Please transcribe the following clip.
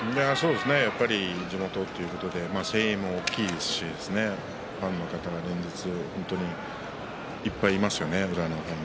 やっぱり地元ということで声援も大きいですしファンの方は連日いっぱいいますよね